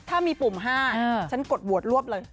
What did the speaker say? ถ้ามีปุ่ม๕ฉันกดโหวตรวบเลย